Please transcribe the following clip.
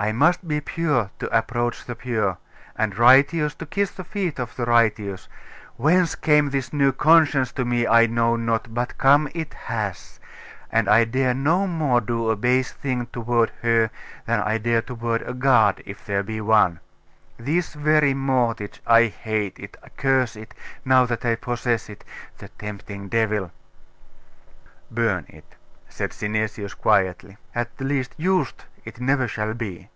I must be pure to approach the pure; and righteous, to kiss the feet of the righteous. Whence came this new conscience to me I know not, but come it has; and I dare no more do a base thing toward her, than I dare toward a God, if there be one. This very mortgage I hate it, curse it, now that I possess it the tempting devil!' 'Burn it,' said Synesius quietly. 'Perhaps I may. At least, used it never shall be.